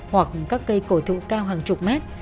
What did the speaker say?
hoặc các cây cổ thụ cao hàng chục mét